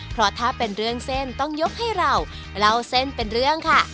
เพราะถ้าเป็นเรื่องเส้นต้องยกให้เราเล่าเส้นเป็นเรื่องค่ะ